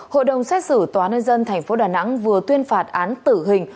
hội đồng xét xử tòa nhân dân tp đà nẵng vừa tuyên phạt án tử hình